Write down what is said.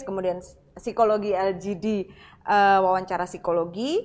kemudian psikologi lgd wawancara psikologi